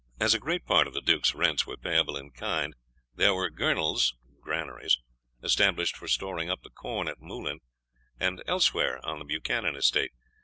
As a great part of the Duke's rents were payable in kind, there were girnels (granaries) established for storing up the corn at Moulin, and elsewhere on the Buchanan estate.